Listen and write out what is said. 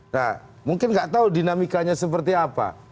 nah mungkin nggak tahu dinamikanya seperti apa